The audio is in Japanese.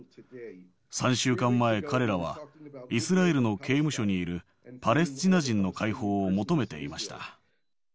３週間前、彼らはイスラエルの刑務所にいるパレスチナ人の解放を求めていました。